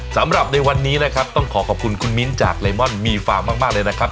สำหรับในวันนี้นะครับต้องขอขอบคุณคุณมิ้นจากเลมอนมีฟาร์มมากเลยนะครับ